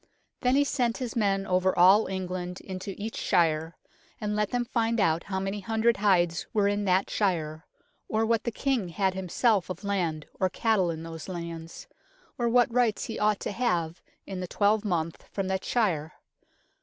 Then he sent his men over all England into each shire, and let them find out how many hundred hides were in that shire, or what the King had himself of land or cattle in those lands, or what rights he ought to have in the twelve month from that shire.